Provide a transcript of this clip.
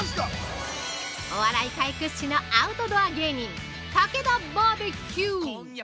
◆お笑い界屈指のアウトドア芸人たけだバーベキュー！